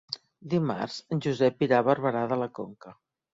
Dimarts en Josep irà a Barberà de la Conca.